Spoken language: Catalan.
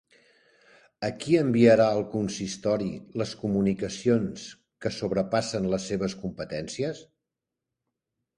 A qui enviarà el consistori les comunicacions que sobrepassen les seves competències?